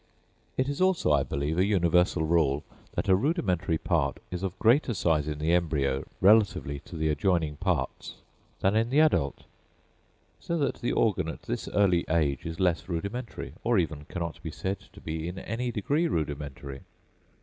It is also, I believe, a universal rule, that a rudimentary part is of greater size in the embryo relatively to the adjoining parts, than in the adult; so that the organ at this early age is less rudimentary, or even cannot be said to be in any degree rudimentary.